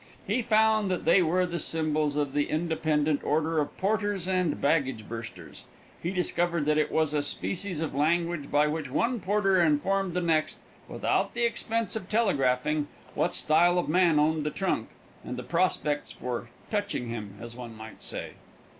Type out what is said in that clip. He found that they were the symbols of the Independent Order of Porters and Baggage Bursters. He discovered that it was a species of language by which one porter informed the next, without the expense of telegraphing, what style of man owned the trunk and the prospects for "touching" him, as one might say.